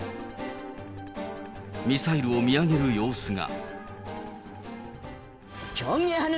ミサイルを見上げる様子が。